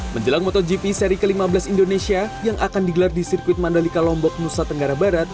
menjelang motogp seri ke lima belas indonesia yang akan digelar di sirkuit mandalika lombok nusa tenggara barat